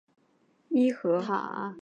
并非是上文说的王桓之子王尹和。